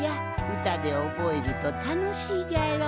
うたでおぼえるとたのしいじゃろ？